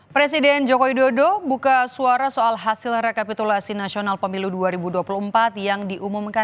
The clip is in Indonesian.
presiden joko widodo buka suara soal hasil rekapitulasi nasional pemilu dua ribu tujuh belas